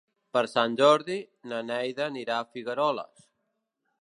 Per Sant Jordi na Neida anirà a Figueroles.